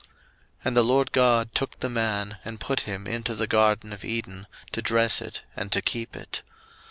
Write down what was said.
01:002:015 And the LORD God took the man, and put him into the garden of Eden to dress it and to keep it.